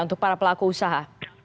untuk para pelaku usaha